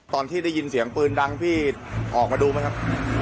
ตอนที่ได้ยินเสียงปืนดังพี่ออกมาดูไหมครับ